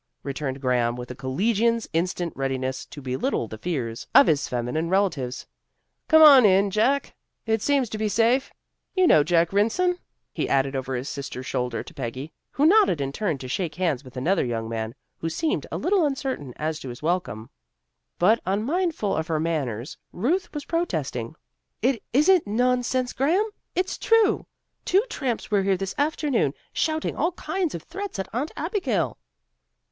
returned Graham, with a collegian's instant readiness to belittle the fears of his feminine relatives. "Come on in, Jack. It seems to be safe. You know Jack Rynson," he added over his sister's shoulder to Peggy, who nodded and turned to shake hands with another young man, who seemed a little uncertain as to his welcome. But unmindful of her manners, Ruth was protesting. "It isn't nonsense, Graham. It's true. Two tramps were here this afternoon, shouting all kinds of threats at Aunt Abigail."